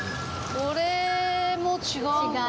これも違うかな？